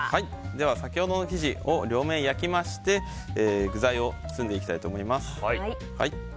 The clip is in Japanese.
では先ほどの生地を両面焼きまして具材を包んでいきたいと思います。